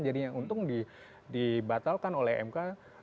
jadi yang untung dibatalkan oleh mk